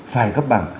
phải cấp bằng